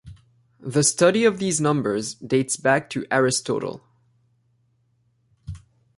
The study of these numbers dates back to Aristotle.